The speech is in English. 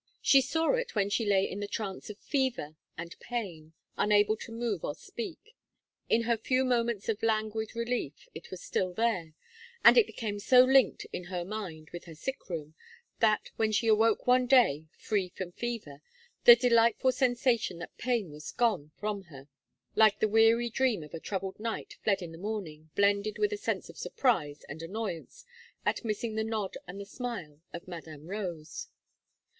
She saw it when she lay in the trance of fever and pain, unable to move or speak; in her few moments of languid relief, it was still there, and it became so linked, in her mind, with her sick room, that, when she awoke one day free from fever, the delightful sensation that pain was gone from her, like the weary dream of a troubled night fled in the morning, blended with a sense of surprise and annoyance at missing the nod and the smile of Madame Rose.